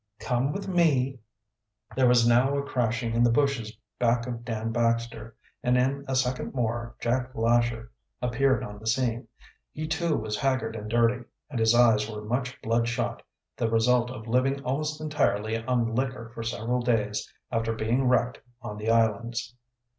"Come with me." There was now a crashing in the bushes back of Dan Baxter, and in a second more Jack Lesher appeared on the scene. He too was haggard and dirty, and his eyes were much blood shot, the result of living almost entirely on liquor for several days after being wrecked on the islands.